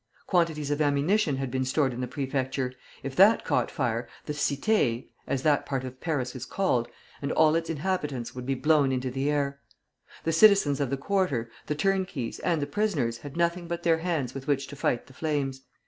Quantities of ammunition had been stored in the Prefecture; if that caught fire, the "Cité" (as that part of Paris is called) and all its inhabitants would be blown into the air. The citizens of the quarter, the turnkeys, and the prisoners had nothing but their hands with which to fight the flames.